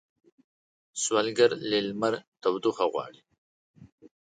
سوالګر له لمر تودوخه غواړي